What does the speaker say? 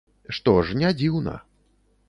Што ж, не дзіўна.